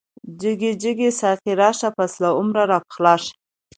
جگی جگی ساقی راشه، پس له عمره را پخلاشه